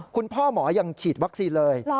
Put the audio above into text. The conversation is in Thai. คุณหมอยังฉีดวัคซีนเลย